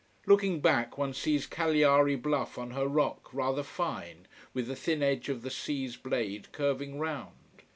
Looking back, one sees Cagliari bluff on her rock, rather fine, with the thin edge of the sea's blade curving round.